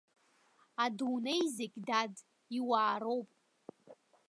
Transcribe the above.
Адунеи зегь, дад, иуаароуп.